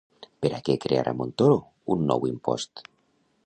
Per a què crearà Montoro un nou impost?